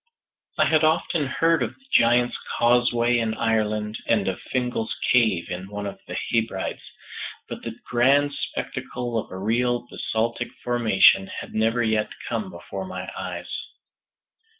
I had often heard of the Giant's Causeway in Ireland, and of Fingal's Cave in one of the Hebrides, but the grand spectacle of a real basaltic formation had never yet come before my eyes.